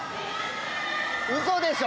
うそでしょ